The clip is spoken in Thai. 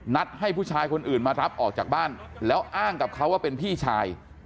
ให้ผู้ชายคนอื่นมารับออกจากบ้านแล้วอ้างกับเขาว่าเป็นพี่ชาย